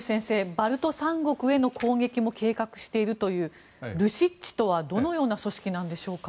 バルト三国への攻撃も計画しているというルシッチとはどのような組織なのでしょうか。